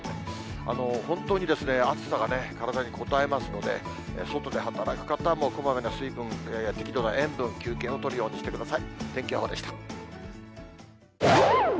本当に暑さが体にこたえますので、外で働く方も、適度な塩分、休憩をとるようにしてください。